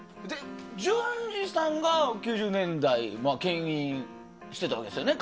淳二さんが９０年代を牽引してたわけですよね。